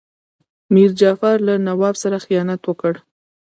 میر جعفر له نواب سره خیانت وکړ.